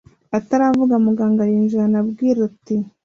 ataravuga muganga yinjirana ubwira ati"